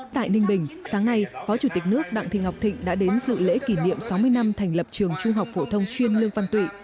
tại ninh bình sáng nay phó chủ tịch nước đặng thị ngọc thịnh đã đến dự lễ kỷ niệm sáu mươi năm thành lập trường trung học phổ thông chuyên lương văn tụy